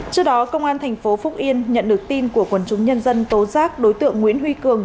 trước đó công an thành phố phúc yên nhận được tin của quần chúng nhân dân tố giác đối tượng nguyễn huy cường